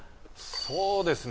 そうですね